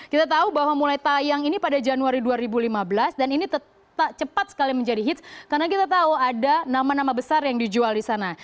kita tahu bahwa mulai tayang ini pada januari dua ribu lima belas dan ini tak cepat sekali menjadi hits karena kita tahu ada nama nama besar yang dijual di sana